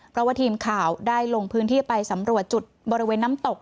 เพราะว่าทีมข่าวได้ลงพื้นที่ไปสำรวจจุดบริเวณน้ำตก